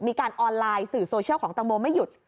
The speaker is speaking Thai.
มีการออนไลน์สื่อโซเชียลของตังโมไม่หยุด